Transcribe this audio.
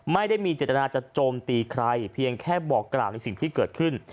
ไม่ได้มีเจตนาจะโจมตีใครเพียงแค่บอกกล่าวในสิ่งที่เกิดขึ้น